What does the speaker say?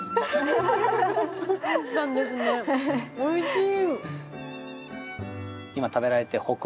おいしい！